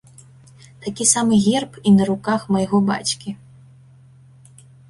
Такі самы герб і на руках майго бацькі.